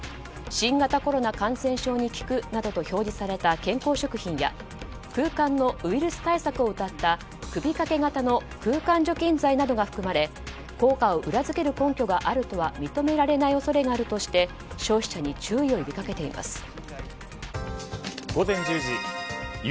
新型コロナ感染症に効くなどと表示された健康食品や空間のウイルス対策をうたった首かけ型の空間除菌剤などが含まれ効果を裏付ける根拠があるとは認められない恐れがあるとして消費者に注意を呼び掛けています。